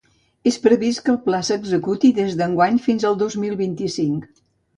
És previst que el pla s’executi des d’enguany fins el dos mil vint-i-cinc.